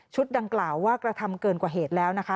ดังกล่าวว่ากระทำเกินกว่าเหตุแล้วนะคะ